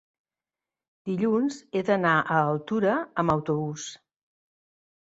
Dilluns he d'anar a Altura amb autobús.